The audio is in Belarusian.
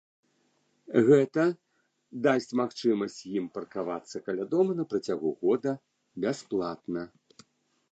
Гэта дасць магчымасць ім паркавацца каля дома на працягу года бясплатна.